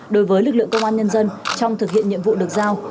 đối với lực lượng công an nhân dân trong thực hiện nhiệm vụ được giao